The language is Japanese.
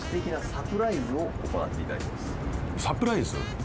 サプライズ。